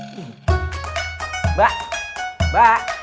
mbak mbak mbak